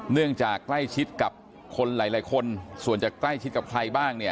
เนื่องจากใกล้ชิดกับคนหลายคนส่วนจะใกล้ชิดกับใครบ้างเนี่ย